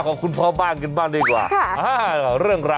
มียกมือล่ะหรือเปล่ามียกมือล่ะหรือเปล่า